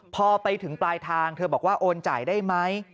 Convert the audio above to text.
พอไปถึงปลายทางเธอบอกว่าโอนจ่ายได้ไหม